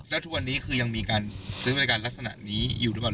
แล้วทุกวันนี้คือยังมีการซื้อบริการลักษณะนี้อยู่หรือเปล่า